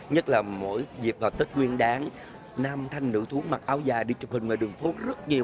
nhất là mỗi dịp vào tết nguyên đáng nam thanh nữ thú mặc áo dài đi chụp hình về đường phố rất nhiều